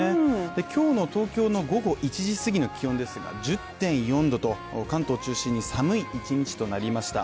今日の東京の午後１時すぎの気温ですが１０．４度と関東を中心に寒い一日となりました。